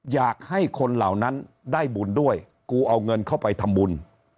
อยากให้คนเหล่านั้นได้บุญด้วยกูเอาเงินเข้าไปทำบุญ